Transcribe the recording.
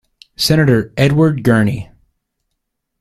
Senator Edward Gurney.